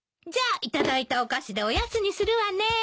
じゃあ頂いたお菓子でおやつにするわね。